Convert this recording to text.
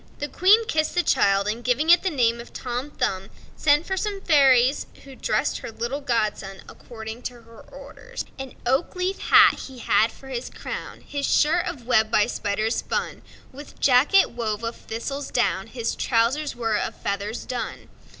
The Queen kissed the child, and, giving it the name of Tom Thumb, sent for some of the fairies, who dressed her little godson according to her orders: An oak leaf hat he had for his crown; His shirt of web by spiders spun; With jacket wove of thistle's down; His trousers were of feathers done.